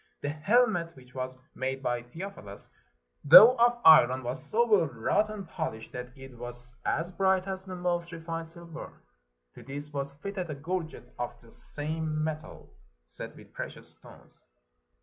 The helmet, which was made by Theophilus, though of iron, was so well wrought and polished, that it was as bright as the most refined silver. To this was fitted a gorget of the same metal, set wdth precious stones.